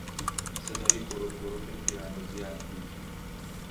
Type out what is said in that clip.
صدای گرپ گرپ تیراندازی از دور